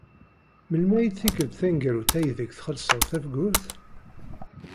Melmi ay d tikkelt taneggarut aydeg txellṣeḍ tafgurt?